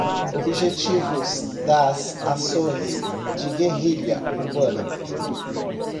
Objetivos das Ações de Guerrilha Urbana